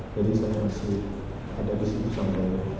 jadi saya masih ada di situ sampai selesai